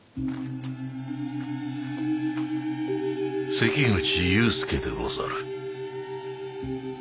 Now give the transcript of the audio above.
関口雄介でござる。